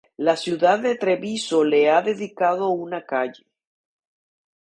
La ciudad de Treviso le ha dedicado una calle.